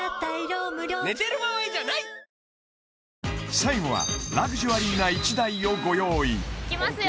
最後はラグジュアリーな１台をご用意いきますよ